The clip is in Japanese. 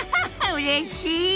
うれしい！